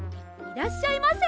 いらっしゃいませ！